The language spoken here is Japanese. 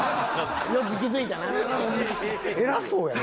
よく気づいたな。